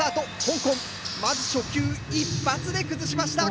香港まず初球１発で崩しました。